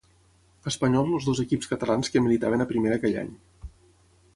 Espanyol els dos equips catalans que militaven a primera aquell any.